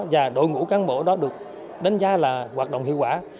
và đội ngũ cán bộ đó được đánh giá là hoạt động hiệu quả